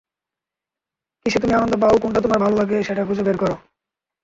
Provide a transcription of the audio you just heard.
কিসে তুমি আনন্দ পাও, কোনটা তোমার ভালো লাগে, সেটা খুঁজে বের করো।